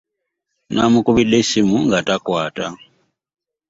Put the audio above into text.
Nnamukubidde essimu nga takwata.